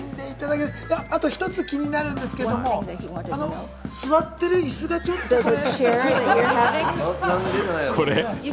あと一つ気になるんですけど、座ってる椅子がちょっとね。